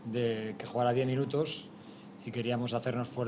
dan kami ingin membuat kita lebih kuat